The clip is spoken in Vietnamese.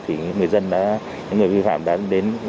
thì người vi phạm đã đến